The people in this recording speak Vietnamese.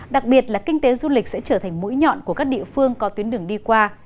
đặc biệt là kinh tế du lịch sẽ trở thành mũi nhọn của các địa phương có tuyến đường đi qua